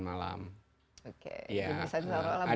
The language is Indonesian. saya memisahkan antara berbuka dengan perbukaan